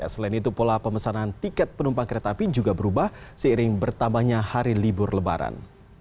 selain itu pola pemesanan tiket penumpang kereta api juga berubah seiring bertambahnya hari libur lebaran